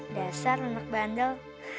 dasar lemak bandel